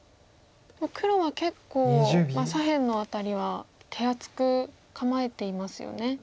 黒は結構左辺の辺りは手厚く構えていますよね。